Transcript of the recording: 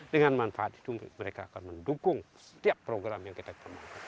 dengan manfaat itu mereka akan mendukung setiap program yang kita perlukan